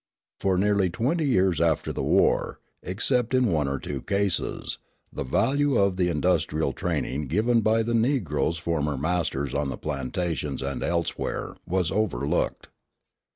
For nearly twenty years after the war, except in one or two cases, the value of the industrial training given by the Negroes' former masters on the plantations and elsewhere was overlooked.